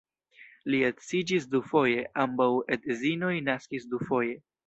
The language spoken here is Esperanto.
Li edziĝis dufoje, ambaŭ edzinoj naskis dufoje.